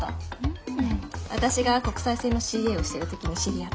私が国際線のＣＡをしてる時に知り合って。